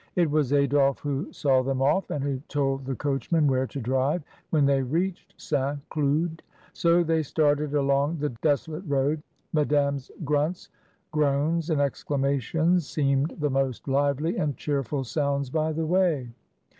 It was Adolphe who saw them off, and who told the coach man where to drive when they reached St. Cloud. So they started along the desolate road. Madame's grunts, groans, and exclamations seemed the most lively and cheerful sounds by the way.